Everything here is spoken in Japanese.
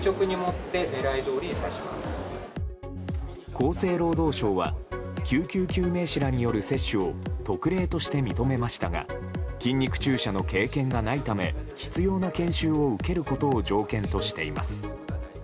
厚生労働省は救急救命士らによる接種を特例として認めましたが筋肉注射の経験がないため必要な研修を受けることを条件としています。